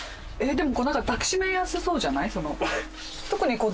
でもなんか抱き締めやすそうじゃない？